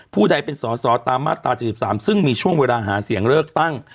ผู้ใดเป็นสอสอตามมาตรา๗๓ซึ่งมีช่วงเวลาหาเสียงเลือกตั้ง